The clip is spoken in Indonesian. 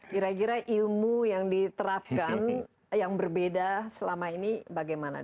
kira kira ilmu yang diterapkan yang berbeda selama ini bagaimana